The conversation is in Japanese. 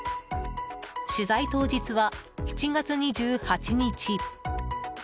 取材当日は７月２８日。